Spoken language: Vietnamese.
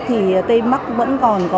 thì tây bắc vẫn còn có